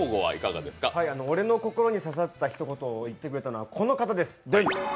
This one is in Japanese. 俺の心に刺さった一言を言ってくれたのは、この方です。